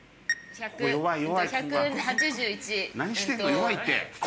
弱いって。